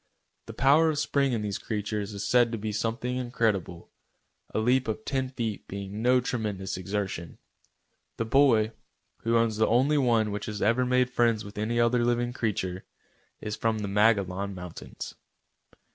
The power of spring in these creatures is said to be something incredible, a leap of ten feet being no tremendous exertion. The boy, who owns the only one which has ever made friends with any other living creature, is from the Magollon mountains.